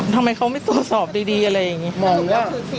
ทำไมเขาไม่ตรวจสอบดีอะไรอย่างนี้มองว่า